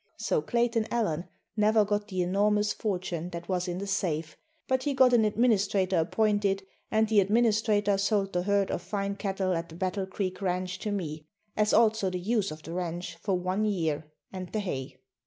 So Clayton Allen never got the enormous fortune that was in the safe, but he got an administrator appointed, and the administrator sold the herd of fine cattle at the Battle Creek ranch to me, as also the use of the ranch for one year, and the hay.